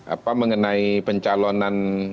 apa mengenai pencalonan